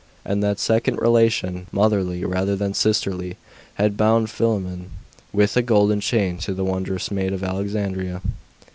And that second relation, motherly rather than sisterly, had bound Philammon with a golden chain to the wondrous maid of Alexandria.